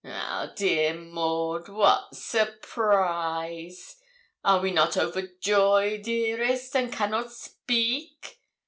'Ah, dear Maud, what surprise! Are we not overjoy, dearest, and cannot speak?